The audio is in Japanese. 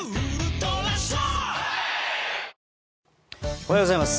おはようございます。